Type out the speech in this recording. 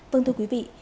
vâng thưa quý vị